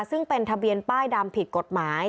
ซึ่งเป็นทะเบียนป้ายดำผิดกฎหมาย